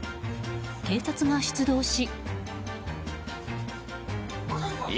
警察が出動し。